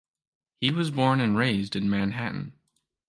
He was born and raised in Manhattan.